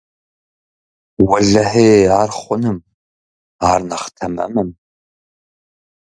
Уэлэхьи ар хъуным, ар нэхъ тэмэмым.